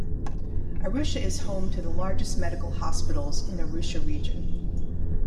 Arusha is home to the largest medical hospitals in Arusha Region.